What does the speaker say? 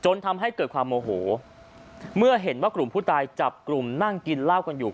ทำให้เกิดความโมโหเมื่อเห็นว่ากลุ่มผู้ตายจับกลุ่มนั่งกินเหล้ากันอยู่